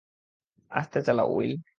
আস্তে চালাও, উইল।